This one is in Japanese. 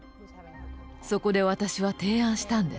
そこで私は提案したんです。